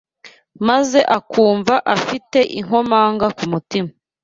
maze akumva afite inkomanga ku mutima